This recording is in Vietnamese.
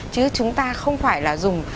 chứ chúng ta không phải là dùng